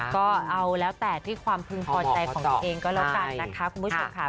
ก็เอาแล้วแต่ที่ความพึงพอใจของตัวเองก็แล้วกันนะคะคุณผู้ชมค่ะ